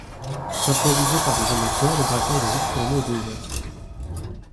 Improvisé par des amateurs, le braquage va vite tourner au désastre.